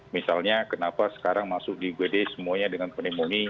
misalnya kenapa sekarang masuk di gwede semuanya dengan penemuni